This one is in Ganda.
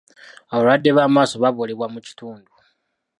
Abalwadde b'amaaso baboolebwa mu kitundu.